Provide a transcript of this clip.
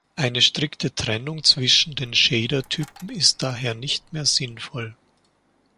Eine strikte Trennung zwischen den Shader-Typen ist daher nicht mehr sinnvoll.